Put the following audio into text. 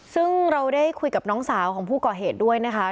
ซึ่งเราได้คุยกับน้องสาวของผู้ก่อเหตุด้วยนะคะ